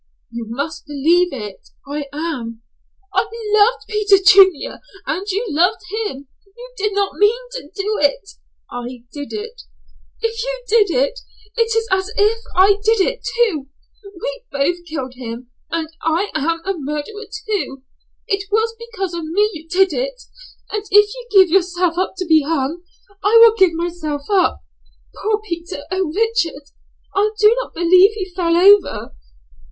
"You must believe it. I am." "I loved Peter Junior and you loved him. You did not mean to do it." "I did it." "If you did it, it is as if I did it, too. We both killed him and I am a murderer, too. It was because of me you did it, and if you give yourself up to be hung, I will give myself up. Poor Peter Oh, Richard I don't believe he fell over."